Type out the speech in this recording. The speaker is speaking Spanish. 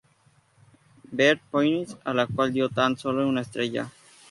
Beth Phoenix, a la cual dio tan solo una estrella.